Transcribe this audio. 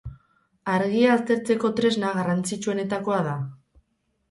Argia aztertzeko tresna garrantzitsuenetakoa da.